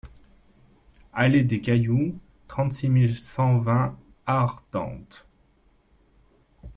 Allée des Cailloux, trente-six mille cent vingt Ardentes